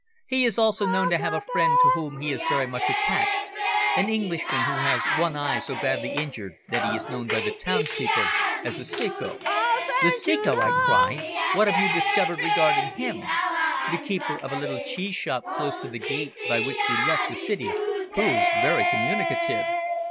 He is also known to have a friend to whom he is very much attached an Englishman who has one eye so badly injured that he is known by the townspeople as the Ceco." "The Ceco!" I cried. "What have you discovered regarding him?" "The keeper of a little cheese shop close to the gate by which we left the city proved very communicative.